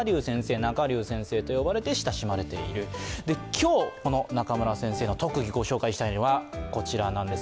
今日、中村先生の特技ご紹介したいのはこちらなんです。